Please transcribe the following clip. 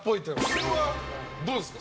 これはどうですか？